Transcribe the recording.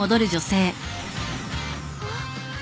あっ。